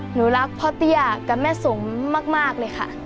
หนูรักพ่อเตี้ยกับแม่สมมากเลยค่ะ